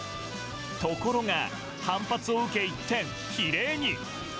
ところが、反発を受け、一転、比例に。